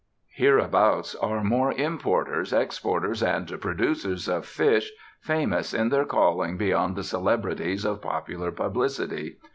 Hereabout are more importers, exporters, and "producers" of fish, famous in their calling beyond the celebrities of popular publicity.